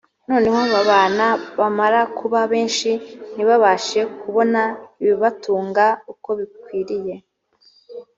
noneho babana bamara kuba benshi ntibabashe kubona ibibatunga uko bikwiriye